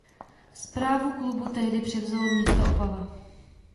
Správu klubu tehdy převzalo město Opava.